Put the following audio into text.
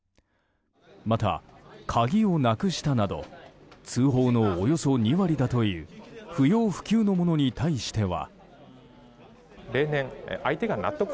また、鍵をなくしたなど通報のおよそ２割だという不要不急のものに対しては。